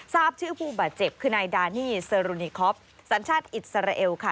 ทราบชื่อผู้บาดเจ็บคือนายดานี่เซอรุณิคอปสัญชาติอิสราเอลค่ะ